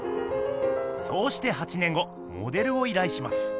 そうして８年後モデルをいらいします。